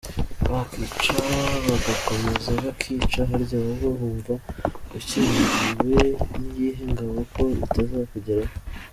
Bakica, bagakomeza bakica; harya wowe wunva ukingiwe n’iyihe ngabo ko bitazakugeraho?